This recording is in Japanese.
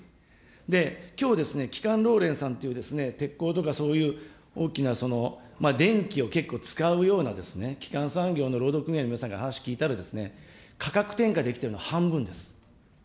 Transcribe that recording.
で、きょうですね、基幹労連さんという鉄鋼とか、そういう大きな、電気を結構使うような基幹産業の労働組合の皆さんに話聞いたら、価格転嫁できてるの、半分です。